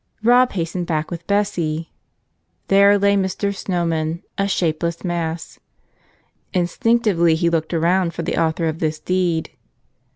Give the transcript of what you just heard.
Rob hastened back with Bessie. There lay Mr. Snow man, a shapeless mass. Instinctively he looked around for the author of this deed.